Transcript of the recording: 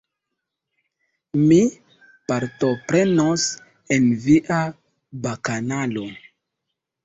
Mi partoprenos en via bakanalo.